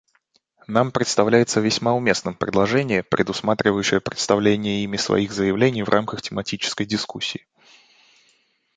Нам представляется весьма уместным предложение, предусматривающее представление ими своих заявлений в рамках тематической дискуссии.